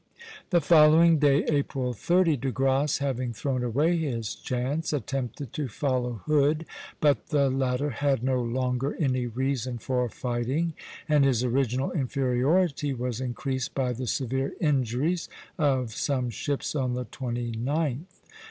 The following day, April 30, De Grasse, having thrown away his chance, attempted to follow Hood; but the latter had no longer any reason for fighting, and his original inferiority was increased by the severe injuries of some ships on the 29th.